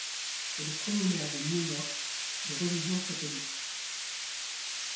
C'est le premier maire de New York de religion catholique.